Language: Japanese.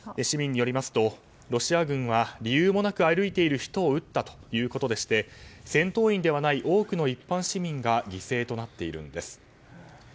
市民によりますと、ロシア軍は理由もなく、歩いている人を撃ったということでして戦闘員ではない多くの一般市民が犠牲となっているんです。